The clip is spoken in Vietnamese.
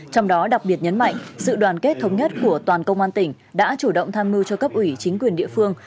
trong đó đặc biệt nhấn mạnh sự đoàn kết thống nhất của toàn công an tỉnh đã chủ động tham mưu cho cấp ủy chính quyền địa phương